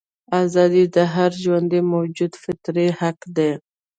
ازادي د هر ژوندي موجود فطري حق دی.